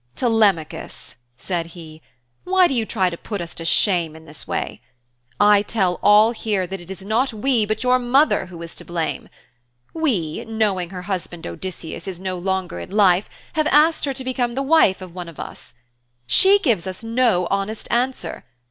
'Telemachus,' said he, 'why do you try to put us to shame in this way? I tell all here that it is not we but your mother who is to blame. We, knowing her husband Odysseus is no longer in life, have asked her to become the wife of one of us. She gives us no honest answer.